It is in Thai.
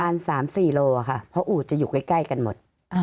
ประมาณ๓๔กิโลค่ะเพราะอู่จะอยู่ใกล้กันหมด